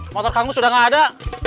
motor kamu sudah nggak ada